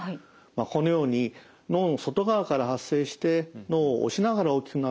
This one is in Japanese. このように脳の外側から発生して脳を押しながら大きくなるのが特徴です。